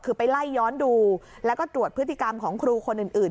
คือไปไล่ย้อนดูแล้วก็ตรวจพฤติกรรมของครูคนอื่น